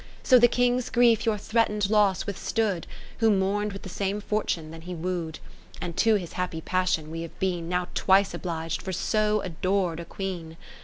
So the King's grief your threaten'd loss withstood, Who mourn'd with the same fortune that he woo'd, 3*^ And to his happy passion we have been Now twice oblig'd for so ador'd a Queen.